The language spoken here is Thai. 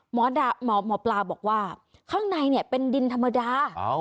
หมอปลาบอกว่าข้างในเนี่ยเป็นดินธรรมดา